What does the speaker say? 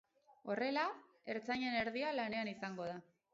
Horrela, ertzainen erdia lanean izango da.